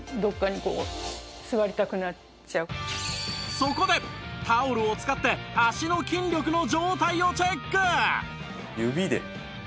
そこでタオルを使って足の筋力の状態をチェック！